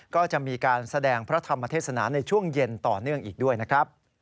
ก็จะมีการแสดงพระธรรมเทศนาในช่วงเย็นต่อเนื่องอีกด้วยนะครับ